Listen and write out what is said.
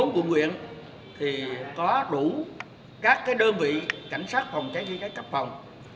hai mươi bốn quận nguyện thì có đủ các đơn vị cảnh sát phòng cháy điện cấp phòng